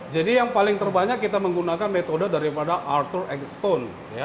jadi yang paling terbanyak kita menggunakan metode daripada arthur eggstone